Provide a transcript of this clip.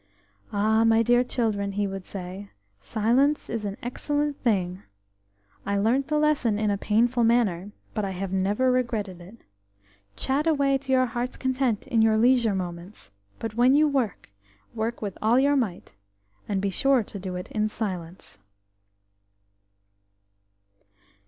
H, my dear children," he would say, "silence is an excellent thing. I learnt the lesson in a painful manner, but I have never regretted it. Chat away to your hearts' content in your leisure moments, but when you work, work with all your might, and be sure to do it in silence."